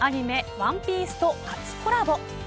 ＯＮＥＰＩＥＣＥと初コラボ。